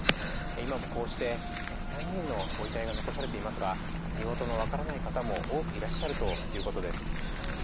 今もこうして３人のご遺体が残されていますが、身元の分からない方も多くいらっしゃるということです。